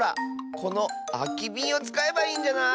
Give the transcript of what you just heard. このあきびんをつかえばいいんじゃない？